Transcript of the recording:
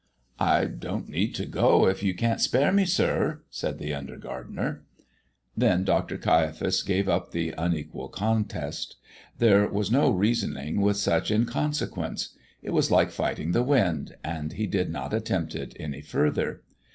"I don't need to go if you can't spare me, sir," said the under gardener. Then Dr. Caiaphas gave up the unequal contest. There was no reasoning with such inconsequence. It was like fighting the wind, and he did not attempt it any further.